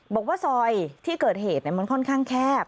บอกว่าซอยที่เกิดเหตุมันค่อนข้างแคบ